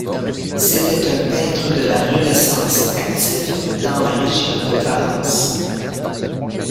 C'était un peintre de la Renaissance actif dans la région de Valence.